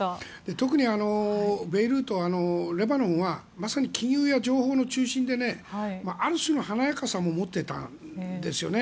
特にベイルートレバノンは金融や情報の中心で、ある種の華やかさも持っていたんですよね。